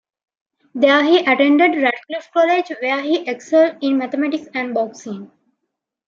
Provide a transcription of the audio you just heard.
There he attended Ratcliffe College, where he excelled in mathematics and boxing.